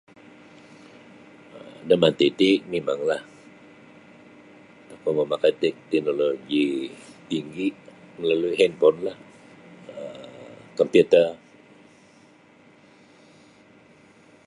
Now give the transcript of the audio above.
um Damanti ti mimanglah tokou mamakai tek teknoloji tinggi melalui hinponlah um komputer.